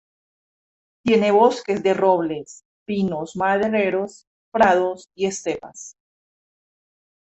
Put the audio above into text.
Tiene bosques de robles, pinos madereros, prados y estepas.